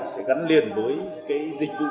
sẽ gắn liền với cái dịch vụ